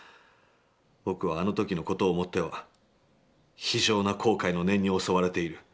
僕はあの時の事を思っては、非常な後悔の念に襲われている」。